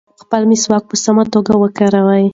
خپل مسواک په سمه توګه وکاروئ.